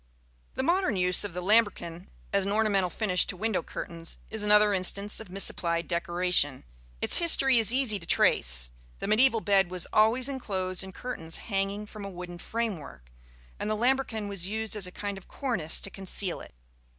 The modern use of the lambrequin as an ornamental finish to window curtains is another instance of misapplied decoration. Its history is easy to trace. The mediæval bed was always enclosed in curtains hanging from a wooden framework, and the lambrequin was used as a kind of cornice to conceal it.